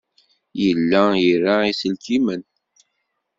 Yella ira iselkimen.